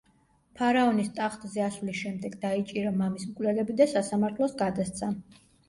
ფარაონის ტახტზე ასვლის შემდეგ დაიჭირა მამის მკვლელები და სასამართლოს გადასცა.